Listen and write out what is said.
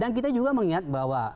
dan kita juga mengingat bahwa